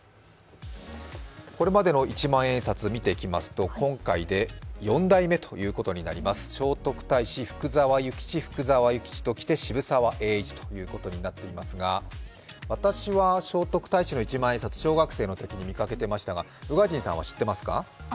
これまでの一万円札を見ていきますと、今回で４代目ということになります聖徳太子、福沢諭吉、福沢諭吉ときて渋沢栄一ということになっていますが私は聖徳太子の一万円札、小学生のときに見かけてましたが宇賀神さんは知っていますか？